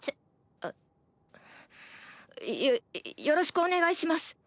よろしくお願いします。